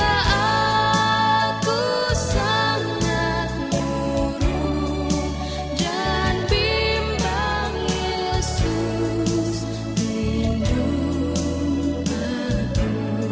adakah yesus lindung aku